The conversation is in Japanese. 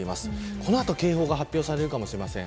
この後、警報が発表されるかもしれません。